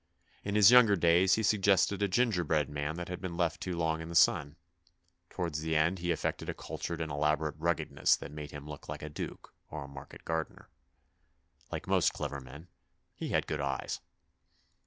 In his younger days he suggested a gingerbread man that had been left too long in the sun ; towards the end he affected a cultured and elaborate ruggedness that made him look like a duke or a market gardener. Like most clever men, he had good eyes.